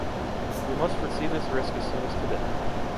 We must foresee this risk as soon as today.